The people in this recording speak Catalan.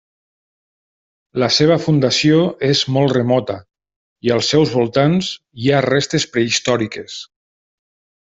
La seva fundació és molt remota i als seus voltants hi ha restes prehistòriques.